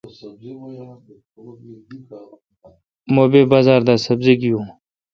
مہ بے بازار دا سبزی گیون۔